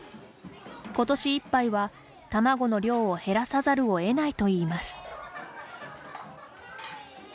今年いっぱいは、卵の量を減らさざるを得ないといいます。